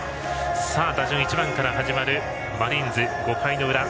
打順は１番から始まるマリーンズ、５回の裏。